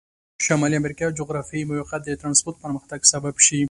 شمالي امریکا جغرافیایي موقعیت د ترانسپورت پرمختګ سبب شوي.